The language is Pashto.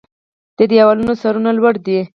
د دیوالونو سرونه لوړ دی